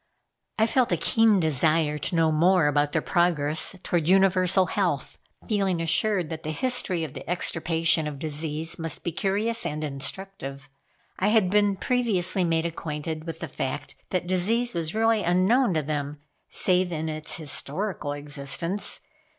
I felt a keen desire to know more about their progress toward universal health, feeling assured that the history of the extirpation of disease must be curious and instructive. I had been previously made acquainted with the fact that disease was really unknown to them, save in its historical existence.